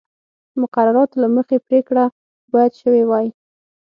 مقرراتو له مخې پرېکړه باید شوې وای.